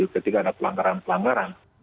ketika ada pelanggaran pelanggaran